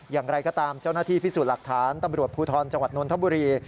อย่างไรก็ตามเจ้าหน้าที่พิสูจน์หลักฐานตำรวจภูทรจังหวัดนนทบุรี